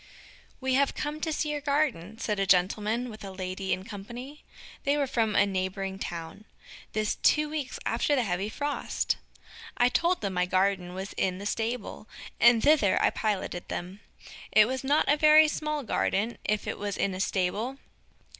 We have come to see your garden, said a gentleman with a lady in company. They were from a neighboring town. This two weeks after the heavy frost! I told them my garden was in the stable, and thither I piloted them. It was not a very small garden if it was in a stable.